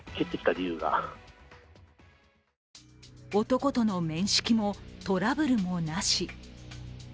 男との面識もトラブルもなし。